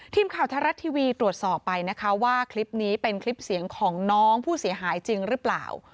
ทีมข่าวไทยรัฐทีวีตรวจสอบไปนะคะว่าคลิปนี้เป็นคลิปเสียงของน้องผู้เสียหายจริงหรือเปล่า